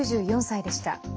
９４歳でした。